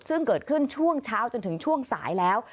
ซึ่งเกิดขึ้นช่วงเช้าจนถึงช่วงสายแล้ว